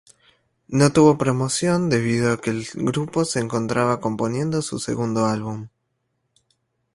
No tuvo promoción debido a que el grupo se encontraba componiendo su segundo álbum.